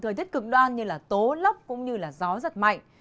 thời tiết cực đoan như là tố lấp cũng như là gió rất mạnh